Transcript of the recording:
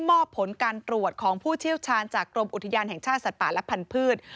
มอบผลการตรวจของผู้เชี่ยวชาญจากกรมอุทยานแห่งชาติสัตว์ป่าและพันธุ์